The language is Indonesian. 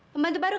pembantu baru ke